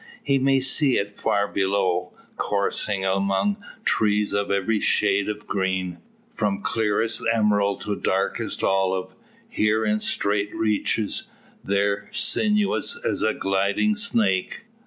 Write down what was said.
He may see it far below, coursing among trees of every shade of green, from clearest emerald to darkest olive, here in straight reaches, there sinuous as a gliding snake.